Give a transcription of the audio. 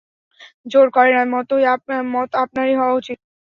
জোর করে না, মত আপনারই হওয়া উচিত।